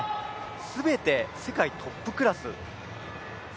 全て世界トップクラス。